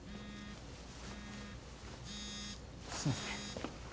すみません。